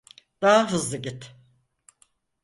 Daha hızlı git.